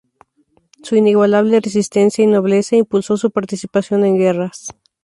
Su inigualable resistencia y nobleza impulso su participación en guerras.